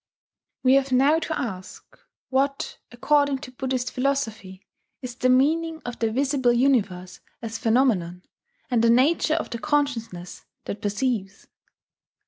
We have now to ask what, according to Buddhist philosophy, is the meaning of the visible universe as phenomenon, and the nature of the consciousness that perceives.